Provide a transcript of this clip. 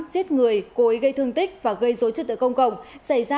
giết người cố ý gây thương tích và gây dối trực tựa công